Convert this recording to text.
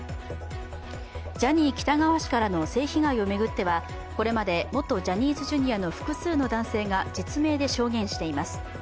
ジャニー喜多川氏からの性被害を巡っては、これまで元ジャニーズＪｒ．の複数の男性が実名で証言しています。